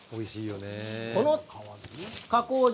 こちらの加工場